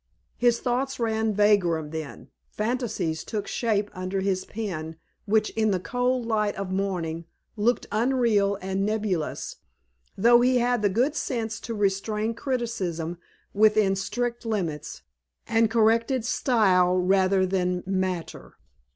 His thoughts ran vagrom then. Fantasies took shape under his pen which, in the cold light of morning, looked unreal and nebulous, though he had the good sense to restrain criticism within strict limits, and corrected style rather than matter.